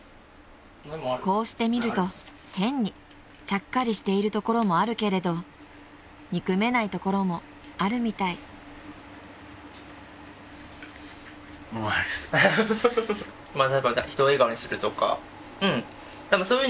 ［こうして見ると変にちゃっかりしているところもあるけれど憎めないところもあるみたい］頑張ってほしいな。